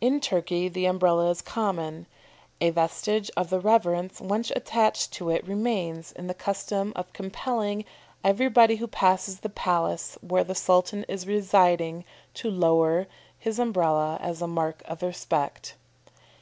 In Turkey the Umbrella is common. A vestige of the reverence once attached to it remains in the custom of compelling everybody who passes the palace where the Sultan is residing to lower his Umbrella as a mark of respect.